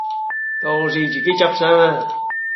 到時自己執生啦